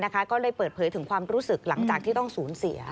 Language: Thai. ก็เลยเปิดเผยถึงความรู้สึกหลังจากที่ต้องสูญเสีย